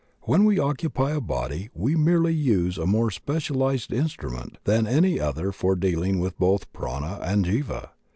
When we occupy a body we merely use a more specialized instrument than any other for dealing with both Prana and Jiva.